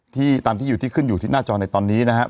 ตามที่อยู่ที่ขึ้นอยู่ที่หน้าจอในตอนนี้นะครับ